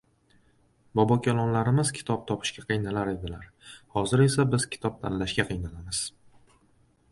Bobokalonlarimiz kitob topishga qiynalar edilar: hozir esa biz kitob tanlashga qiynalamiz.